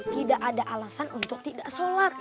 tidak ada alasan untuk tidak sholat